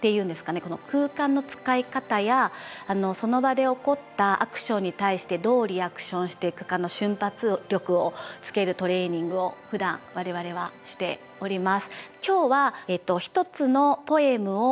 この空間の使い方やその場で起こったアクションに対してどうリアクションしていくかの瞬発力をつけるトレーニングをふだん我々はしております。